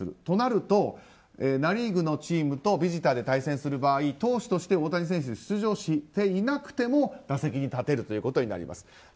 となると、ナ・リーグのチームとビジターで対戦する場合投手として大谷選手が出場していなくても打席に立てるということになります。